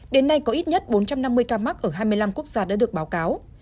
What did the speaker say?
đến nay có ít nhất bốn trăm năm mươi ca mắc ở hai mươi năm quốc gia đã được báo cáo